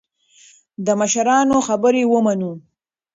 د مشرانو خبرې ومنو.